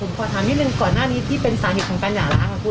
ผมขอถามนิดนึงก่อนหน้านี้ที่เป็นสาเหตุของการหย่าล้างค่ะคุณ